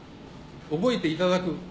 覚えていただく。